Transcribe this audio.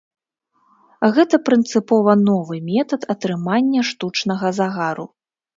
Гэта прынцыпова новы метад атрымання штучнага загару.